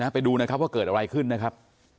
ไปดูนะครับว่าเกิดอะไรขึ้นนะครับ